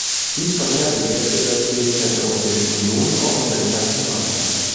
Dies verringert die Wettbewerbsfähigkeit der Europäischen Union auch im weltweiten Maßstab.